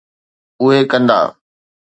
اهي ڪندا.